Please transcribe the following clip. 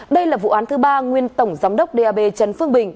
đây là vụ án thứ ba nguyên tổng giám đốc d a b trần phương bình